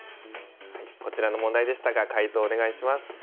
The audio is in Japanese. こちらの問題でしたが解答お願いします。